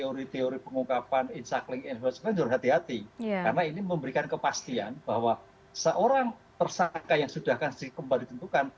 itu juga aset teori teori pengungkapan insakling insoskling insoskling harus hati hati karena ini memberikan kepastian bahwa seorang tersangka yang sudah dikembali tentukan